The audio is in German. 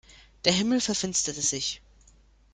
Der Himmel verfinsterte sich.